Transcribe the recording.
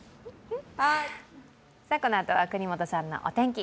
このあとは國本さんのお天気。